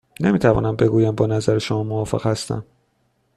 نمی توانم بگویم با نظر شما موافق هستم.